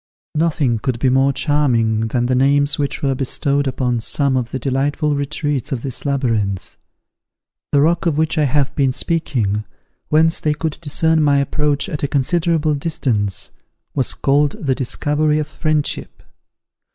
Nothing could be more charming than the names which were bestowed upon some of the delightful retreats of this labyrinth. The rock of which I have been speaking, whence they could discern my approach at a considerable distance, was called the Discovery of Friendship.